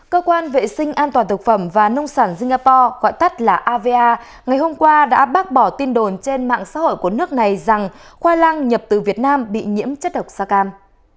cơ quan vệ sinh an toàn thực phẩm và nông sản singapore gọi tắt là ava ngày hôm qua đã bác bỏ tin đồn trên mạng xã hội của nước này rằng khoai lang nhập từ việt nam bị nhiễm chất độc da cam